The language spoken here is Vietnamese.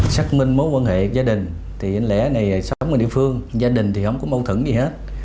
xác minh mối quan hệ gia đình thì anh lẻ này sống ở địa phương gia đình thì không có mâu thuẫn gì hết